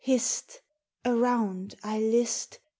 hist ! Around, I list